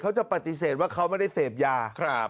เขาจะปฏิเสธว่าเขาไม่ได้เสพยา